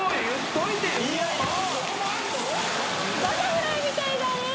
バタフライみたいだね！